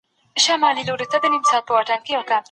ما پرون په دعا کي د الله له پېرزوېنو مننه وکړه.